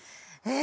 え。